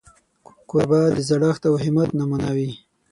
کوربه د زړښت او همت نمونه وي.